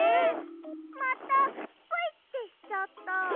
またプイってしちゃった。